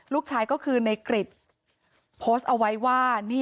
ลูกชายก็คือในกริจโพสต์เอาไว้ว่า